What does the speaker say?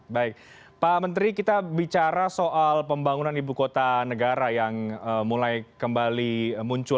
baik pak menteri kita bicara soal pembangunan ibu kota negara yang mulai kembali muncul